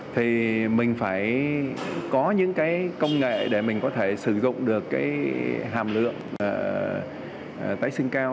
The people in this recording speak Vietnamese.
thì mình phải có những cái công nghệ để mình có thể sử dụng được cái hàm lượng tái sinh cao